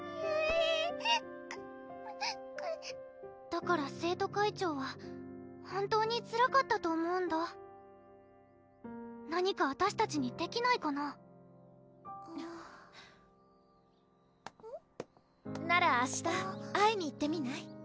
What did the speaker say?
だから生徒会長は本当につらかったと思うんだ何かあたしたちにできないかななら明日会いに行ってみない？